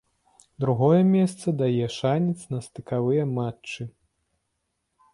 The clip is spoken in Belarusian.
Другое месца дае шанец на стыкавыя матчы.